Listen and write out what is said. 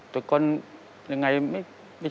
แต่ก่อนยังไงไม่ชอบเดือนจ๋า